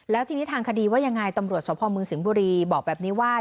แล้วจริงทางคดีว่ายังไงตำรวจสคมรสิงส์บุรีบอกแบบนี้ว่า